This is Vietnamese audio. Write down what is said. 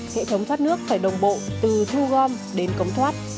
hệ thống thoát nước phải đồng bộ từ thu gom đến cống thoát